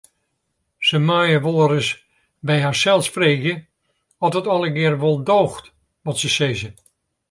Se meie wolris by harsels freegje oft it allegearre wol doocht wat se sizze.